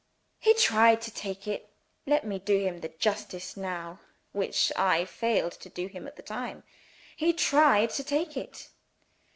He tried to take it let me do him the justice now, which I failed to do him at the time he tried to take it.